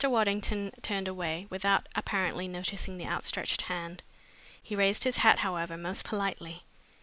Waddington turned away without apparently noticing the outstretched hand. He raised his hat, however, most politely.